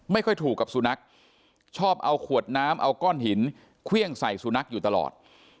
ไม่ค่อยถูกกับสุนัขชอบเอาขวดน้ำเอาก้อนหินเครื่องใส่สุนัขอยู่ตลอด